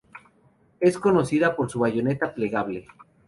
Es conocida por su bayoneta plegable.